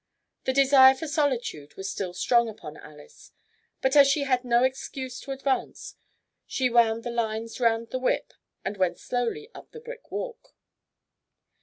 The desire for solitude was still strong upon Alys, but as she had no excuse to advance, she wound the lines round the whip and went slowly up the brick walk.